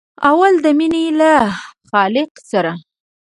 اول د مینې له خالق سره.